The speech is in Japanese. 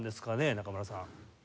仲村さん。